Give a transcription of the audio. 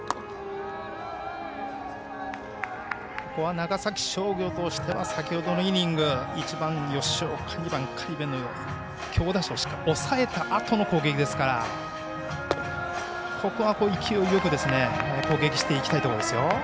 長崎商業としては先ほどのイニング、１番の吉岡２番の苅部という強打者を抑えたあとの攻撃ですからここは勢いよく攻撃していきたいところ。